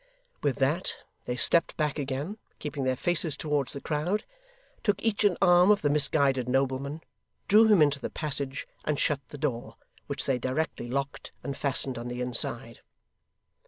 With that, they stepped back again, keeping their faces towards the crowd; took each an arm of the misguided nobleman; drew him into the passage, and shut the door; which they directly locked and fastened on the inside.